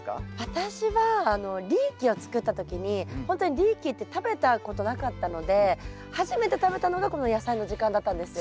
私はリーキを作った時にほんとにリーキって食べたことなかったので初めて食べたのがこの「やさいの時間」だったんですよ。